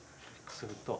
すると。